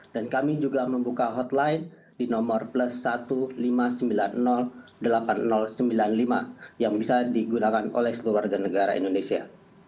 dan kami juga membuka hotline di nomor plus satu lima sembilan delapan sembilan lima yang bisa digunakan oleh seluruh warga negara indonesia